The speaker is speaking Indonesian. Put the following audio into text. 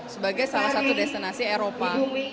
sebagai salah satu destinasi eropa